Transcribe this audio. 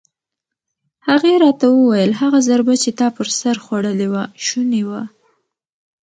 هغې راته وویل: هغه ضربه چې تا پر سر خوړلې وه شونې وه.